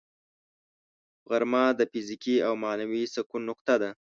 غرمه د فزیکي او معنوي سکون نقطه ده